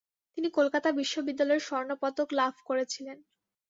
তিনি কলকাতা বিশ্ববিদ্যালয়ের স্বর্ণ পদক লাভ করেছিলেন।